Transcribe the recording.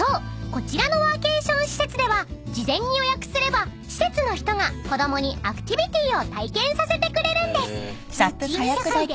こちらのワーケーション施設では事前に予約すれば施設の人が子供にアクティビティーを体験させてくれるんです］え！